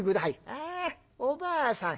「ああおばあさん